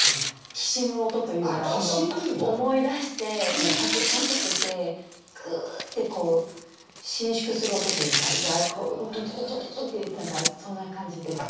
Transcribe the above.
きしむ音というか思い出して恥ずかしくてぐうってこう伸縮する音というかがこうグギギギギって何かそんな感じです。